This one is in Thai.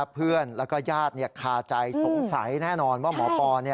เพื่อนแล้วก็ญาติคาใจสงสัยแน่นอนว่าหมอปอ